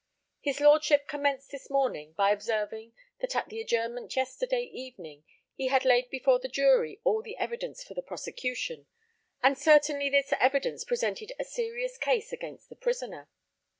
His Lordship commenced this morning by observing, that at the adjournment yesterday evening, he had laid before the jury all the evidence for the prosecution, and certainly this evidence presented a serious case against the prisoner.